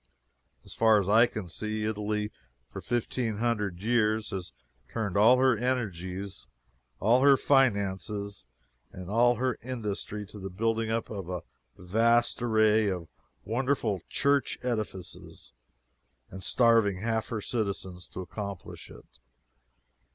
As far as I can see, Italy, for fifteen hundred years, has turned all her energies, all her finances, and all her industry to the building up of a vast array of wonderful church edifices, and starving half her citizens to accomplish it.